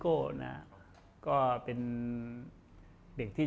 ก็เป็นเด็กที่ชาวแทนที่ครับ